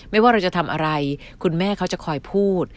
ว่าเราจะทำอะไรคุณแม่เขาจะคอยพูด